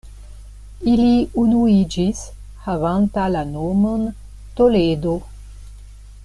Ili unuiĝis havanta la nomon Toledo.